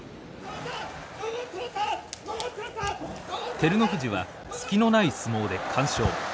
照ノ富士は隙のない相撲で完勝。